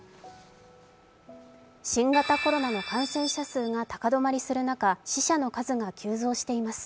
新型コロナの感染者数が高止まりする中、死者の数が急増しています。